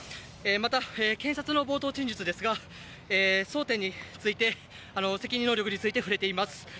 また、検察の冒頭陳述ですが争点について、責任能力について触れています。